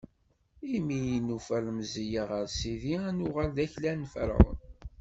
Imi i nufa lemziyya ɣer sidi, ad nuɣal d aklan n Ferɛun.